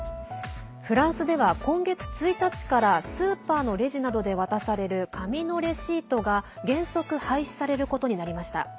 フランスでは今月１日からスーパーのレジなどで渡される紙のレシートが原則廃止されることになりました。